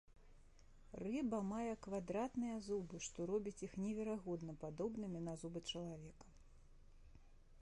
Рыба мае квадратныя зубы, што робіць іх неверагодна падобнымі на зубы чалавека.